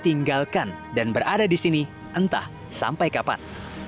tinggalkan dan berada di sini entah sampai kapan